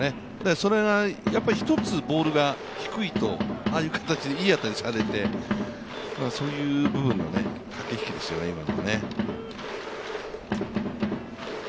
それが一つボールが低いとああいう形でいい当たりされてそういう部分の駆け引きですよね、今のはね。